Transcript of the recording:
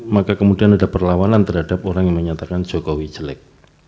maka kemudian ada perlawanan terhadap orang yang menyatakan jokowi jelek